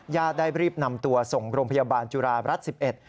ได้รีบนำตัวส่งโรงพยาบาลจุฬารัฐ๑๑